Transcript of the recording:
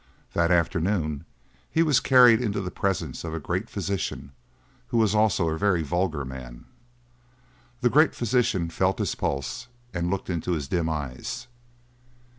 That afternoon he was carried into the presence of a great physician who was also a very vulgar man. The great physician felt his pulse and looked into his dim eyes.